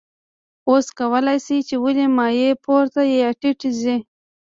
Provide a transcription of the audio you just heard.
اوس کولی شئ چې ولې مایع پورته یا ټیټه ځي.